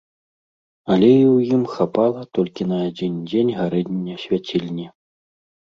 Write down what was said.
Алею ў ім хапала толькі на адзін дзень гарэння свяцільні.